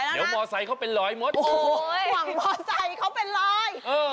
อยากให้ไปต่อมานี่